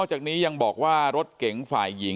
สวัสดีครับทุกคน